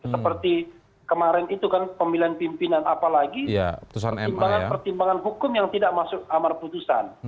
seperti kemarin itu kan pemilihan pimpinan apalagi pertimbangan pertimbangan hukum yang tidak masuk amar putusan